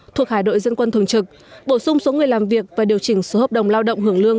thuộc hải đội dân quân thường trực bổ sung số người làm việc và điều chỉnh số hợp đồng lao động hưởng lương